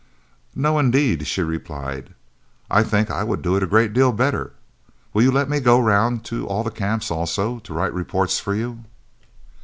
"No, indeed," she replied. "I think I would do it a great deal better. Will you let me go round to all the Camps also, to write reports for you?"